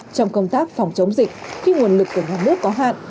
trong công tác phòng chống dịch khi nguồn lực của nhà nước có hạn